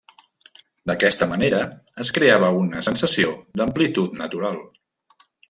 D'aquesta manera es creava una sensació d'amplitud natural.